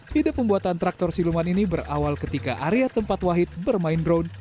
hidup pembuatan traktor siluman ini berawal ketika area tempat wahid bermain drone